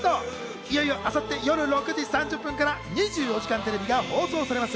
いよいよ明後日夜６時３０分から『２４時間テレビ』が放送されます。